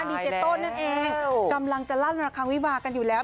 ดีเจโต้นั่นเองกำลังจะลั่นราคาวิวากันอยู่แล้ว